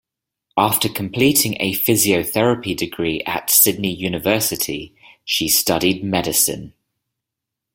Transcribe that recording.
After completing a physiotherapy degree at Sydney University, she studied medicine.